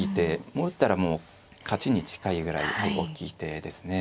打ったらもう勝ちに近いぐらい大きい手ですね。